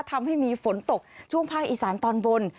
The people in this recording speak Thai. ทำให้มีฝนตกช่วงภาคอีสานตอนบน